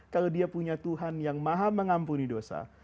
kalau dia punya tuhan yang maha mengampuni dosa